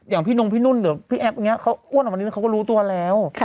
อย่างพี่นุ่นพี่นุ่นเดี๋ยวพี่แอ๊บอย่างเงี้ยเขาอ้วนออกมานิดหนึ่งเขาก็รู้ตัวแล้ว